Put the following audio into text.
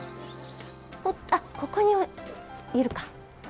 あっ、ここにいるか。